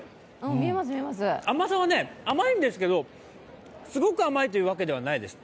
甘さは甘いんですけど、すごく甘いわけじゃないです。